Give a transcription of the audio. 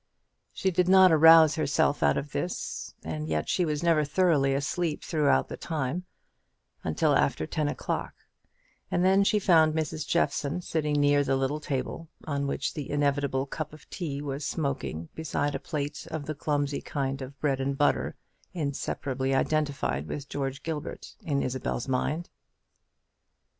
She did not arouse herself out of this, and yet she was never thoroughly asleep throughout the time, until after ten o'clock; and then she found Mrs. Jeffson sitting near the little table, on which the inevitable cup of tea was smoking beside a plate of the clumsy kind of bread and butter inseparably identified with George Gilbert in Isabel's mind.